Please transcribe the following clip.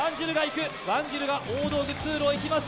ワンジルが大道具通路をいきます。